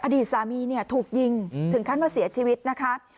อดีตสามีเนี่ยถูกยิงถึงขั้นว่าเสียชีวิตนะคะ